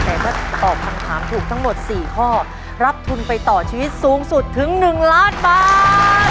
แต่ถ้าตอบคำถามถูกทั้งหมด๔ข้อรับทุนไปต่อชีวิตสูงสุดถึง๑ล้านบาท